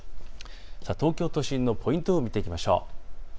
東京都心のポイント予報を見ていきましょう。